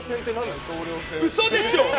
嘘でしょ！